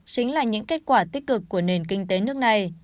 chính là những kết quả tích cực của nền kinh tế nước này